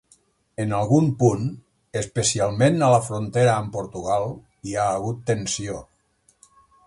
En algun punt, especialment a la frontera amb Portugal, hi ha hagut tensió.